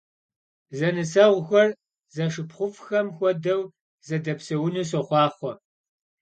Zenıseğuxer zeşşıpxhuf'xem xuedeu zedepseunu soxhuaxhue!